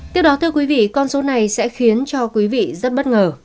tiếp đó thưa quý vị con số này sẽ khiến cho quý vị rất bất ngờ